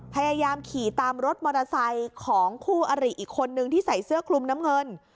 พยายามขี่ตามรถมอเตอร์ไซค์ของคู่อริอีกคนนึงที่ใส่เสื้อคลุมน้ำเงิน